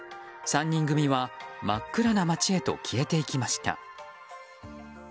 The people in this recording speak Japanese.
３人組は真っ暗な街へと消えていきました。